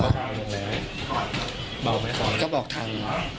แล้วก็บอกทาง